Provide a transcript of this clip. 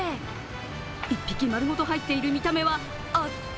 一匹まるごと入っている見た目は圧巻。